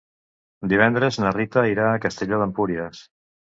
Divendres na Rita irà a Castelló d'Empúries.